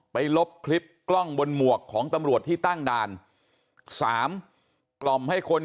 ลบคลิปกล้องบนหมวกของตำรวจที่ตั้งด่านสามกล่อมให้คน